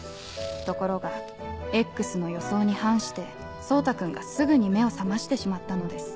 ところがＸの予想に反して蒼汰君がすぐに目を覚ましてしまったのです。